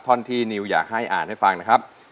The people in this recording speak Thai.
ท่อนที่นิวอยากให้อ่านให้ฟังนะครับ